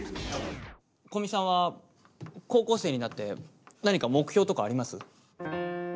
古見さんは高校生になって何か目標とかあります？